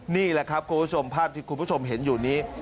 นี่แหละครับคุณผู้ชมภาพที่คุณผู้ชมเห็นอยู่นี้